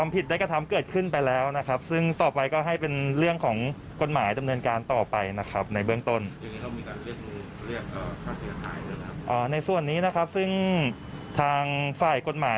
เพียงแค่ให้เขาได้รู้จักรับผลตรงนี้ก็พอสมควรแล้วครับ